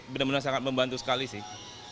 benar benar sangat membantu sekali sih